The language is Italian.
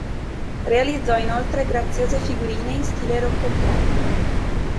Realizzò inoltre graziose figurine in stile rococò.